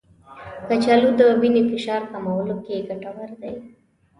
کچالو د وینې فشار کمولو کې ګټور دی.